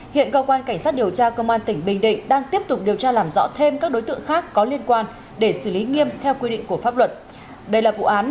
hiện công an tỉnh bình định đang tiếp tục điều tra làm rõ thêm các đối tượng khác có liên quan để xử lý nghiêm theo quy định của pháp luật